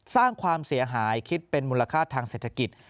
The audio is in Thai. สร้างความเสียหายคิดเป็นมูลค่าทางเศรษฐกิจ